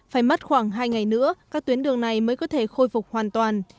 phải mất khoảng hai ngày nữa các tuyến đường này mới có thể khôi phục hoàn toàn